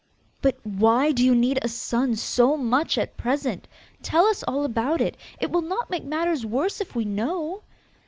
'But WHY do you need a son so much at present? Tell us all about it! It will not make matters worse if we know!